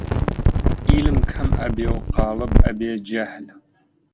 عیلم کەم ئەبێ و غاڵب ئەبێ جەهل